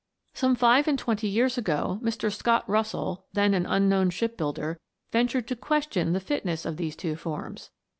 Some five and twenty years ago, Mr. Scott Russell, then an unknown ship builder, ventured to question the fitness of these two forms.